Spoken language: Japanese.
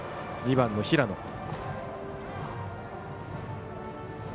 ２番の平野。